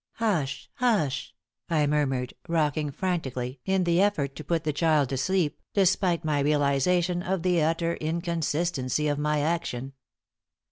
"Hush! hush!" I murmured, rocking frantically in the effort to put the child to sleep, despite my realization of the utter inconsistency of my action.